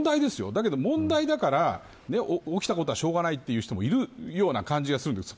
だけど、問題だから起きたことは、しょうがないという人もいるような感じがするんです。